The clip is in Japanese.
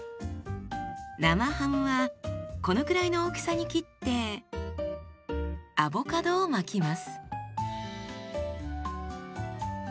生ハムはこのくらいの大きさに切ってアボカドを巻きます。